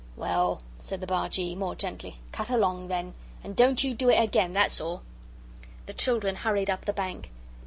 "Well," said the Bargee, more gently, "cut along, then, and don't you do it again, that's all." The children hurried up the bank.